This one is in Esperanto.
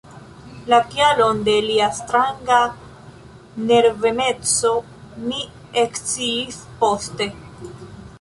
La kialon de lia stranga nervemeco mi eksciis poste.